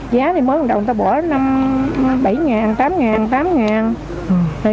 giá thì mới đầu người ta bỏ bảy tám tám